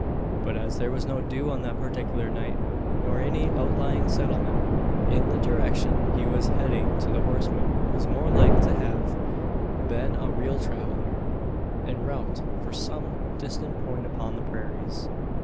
But as there was no dew on that particular night nor any outlying settlement in the direction he was heading to the horseman was more like to have been a real traveller en route for some distant point upon the prairies.